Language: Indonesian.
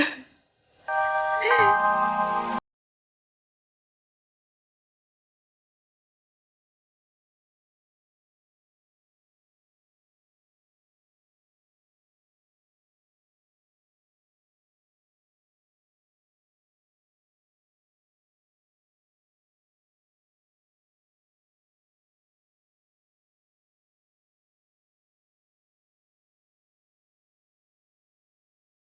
karena mama harus bayar